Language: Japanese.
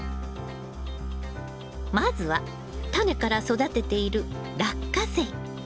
まずはタネから育てているラッカセイ。